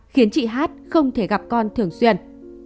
khiến chị hát không thể gặp con thường xuyên